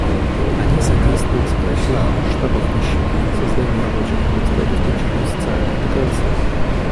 Они содействуют сокращению масштабов нищеты, созданию рабочих мест и обеспечению социальной интеграции.